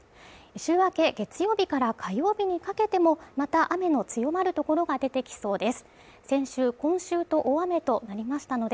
週明け月曜日から火曜日にかけてもまた雨の強まるところが出てきそうです。